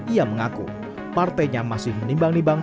ia mengaku partainya masih menimbang nimbang